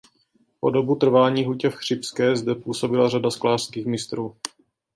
Po dobu trvání hutě v Chřibské zde působila řada sklářských mistrů.